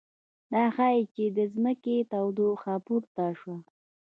دا ښيي چې د ځمکې تودوخه پورته شوه